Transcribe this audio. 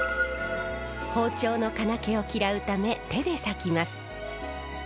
包丁の金気を嫌うため手で裂きます。